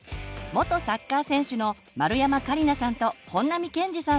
元サッカー選手の丸山桂里奈さんと本並健治さん